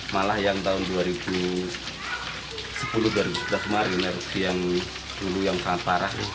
malah yang tahun dua ribu sepuluh dua ribu sebelas kemarin energi yang dulu yang sangat parah